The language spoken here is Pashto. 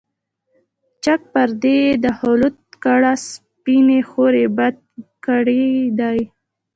چاک پردې یې د خلوت کړه سپیني حوري، بد ګړی دی